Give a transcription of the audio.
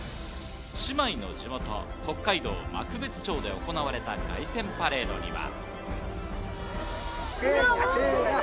姉妹の地元・北海道幕別町で行われた凱旋パレードには。